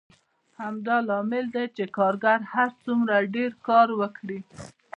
همدا لامل دی چې کارګر هر څومره ډېر کار وکړي